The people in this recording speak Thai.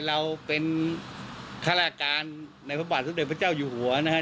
เราเป็นฆาตการในพระบาทสมเด็จพระเจ้าอยู่หัวนะครับ